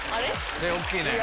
背、大きいね。